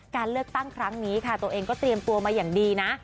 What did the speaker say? การเลือกตั้งครั้งนี้ค่ะตัวเองก็เตรียมตัวมาอย่างดีนะ